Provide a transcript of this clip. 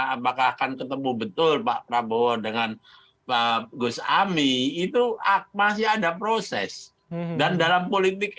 apakah akan ketemu betul pak prabowo dengan pak gus ami itu masih ada proses dan dalam politik